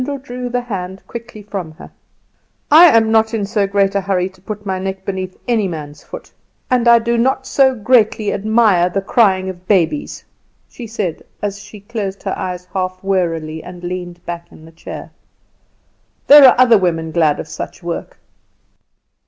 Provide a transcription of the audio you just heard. Lyndall drew the hand quickly from her. "I am not in so great a hurry to put my neck beneath any man's foot; and I do not so greatly admire the crying of babies," she said, as she closed her eyes half wearily and leaned back in the chair. "There are other women glad of such work."